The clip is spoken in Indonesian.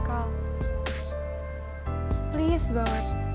kau please banget